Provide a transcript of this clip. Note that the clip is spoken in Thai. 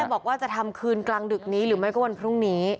บอกว่าจะทำคืนกลางดึกนี้หรือไม่ก็วันพรุ่งนี้